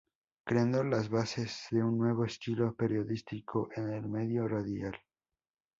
Creando las bases de un nuevo estilo periodístico en el medio radial.